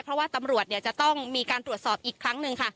เพราะว่าตำรวจจะต้องมีการตรวจสอบอีกครั้งหนึ่งค่ะ